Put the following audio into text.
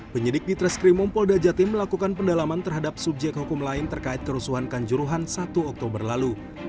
penyidik di treskrimum polda jatim melakukan pendalaman terhadap subjek hukum lain terkait kerusuhan kanjuruhan satu oktober lalu